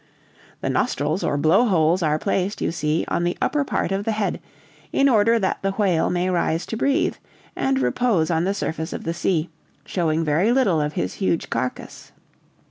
"The nostrils, or blow holes, are placed, you see, on the upper part of the head, in order that the whale may rise to breathe, and repose on the surface of the sea, showing very little of his huge carcase.